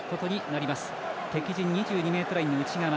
敵陣２２ｍラインの内側。